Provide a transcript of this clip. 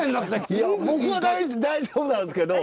いや僕は大丈夫なんですけど。